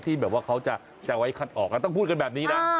ที่เขาจะไว้คัดออกเราต้องพูดภาพแบบนี้ด้าน